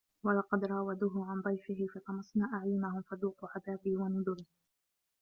وَلَقَدْ رَاوَدُوهُ عَن ضَيْفِهِ فَطَمَسْنَا أَعْيُنَهُمْ فَذُوقُوا عَذَابِي وَنُذُرِ